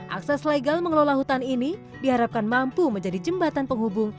akses legal mengelola hutan ini diharapkan mampu menjadi jembatan penghubung